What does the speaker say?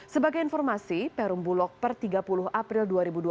sebagai informasi perum bulog per tiga puluh april dua ribu dua puluh